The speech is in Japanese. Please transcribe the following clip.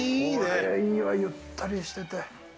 これいいわ、ゆったりしてて。